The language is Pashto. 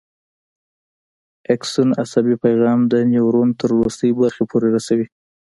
اکسون عصبي پیغام د نیورون تر وروستۍ برخې پورې رسوي.